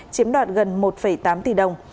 chiếm đoạt gần một tám tỷ đồng